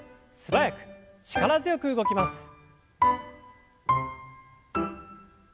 素早く力強く動きます。